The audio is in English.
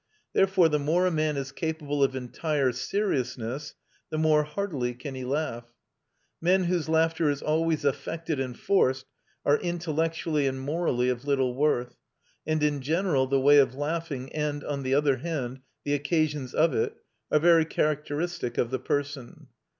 Therefore the more a man is capable of entire seriousness, the more heartily can he laugh. Men whose laughter is always affected and forced are intellectually and morally of little worth; and in general the way of laughing, and, on the other hand, the occasions of it, are very characteristic of the person.